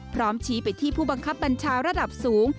พร้อมชี้ไปที่ผู้บังคับบัญชาระดับสูง